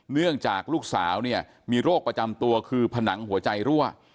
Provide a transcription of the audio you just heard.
เนื่องจากลูกสาวเนี่ยมีโรคประจำตัวคือผนังหัวใจรั่ว